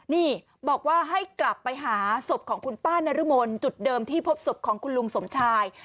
นี่บอกว่าให้กลับไปหาศพของคุณป้านรมนจุดเดิมที่พบศพของคุณลุงสมชาย